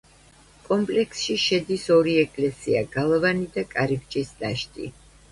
კომპლექსში შედის ორი ეკლესია, გალავანი და კარიბჭის ნაშთი.